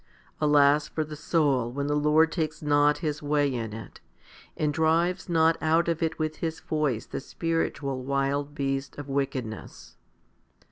Alas for the soul when the Lord takes not His way in it, and drives not out of it with His voice the spiritual wild beasts of wickedness.